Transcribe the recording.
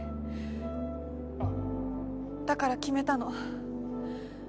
だから決めたの。